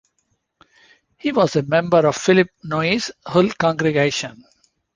He was a member of Philip Nye's Hull congregation.